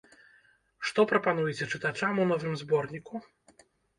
Што прапануеце чытачам у новым зборніку?